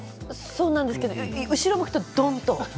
そうなんですけど後ろを向くと、どんと。